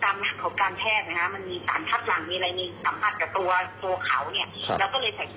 มันมีต่างหลักมันมีอะไรสัมผัสกับตัวขาวเนี่ย